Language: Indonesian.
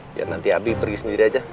biar nanti abi pergi sendiri aja